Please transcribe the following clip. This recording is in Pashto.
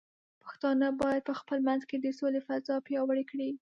پښتانه بايد په خپل منځ کې د سولې فضاء پیاوړې کړي.